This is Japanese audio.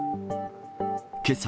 けさ、